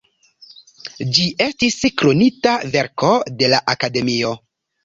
Ĝi estis "Kronita verko de la Akademio".